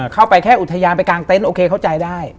เข้าไปแค่อุทยานไปกลางเต็นต์โอเคเข้าใจได้